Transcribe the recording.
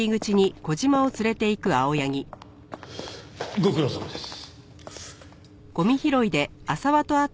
ご苦労さまです。